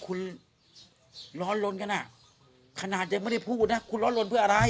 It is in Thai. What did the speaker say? คุณร้อนลนกันอ่ะขนาดยังไม่ได้พูดนะคุณร้อนลนเพื่ออะไร